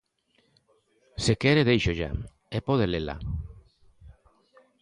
Se quere, déixolla, e pode lela.